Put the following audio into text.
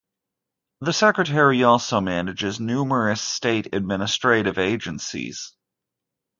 The secretary also manages numerous state administrative agencies.